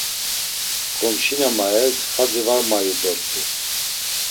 Ǩomşi na mayes xadzi var mayu dort̆u.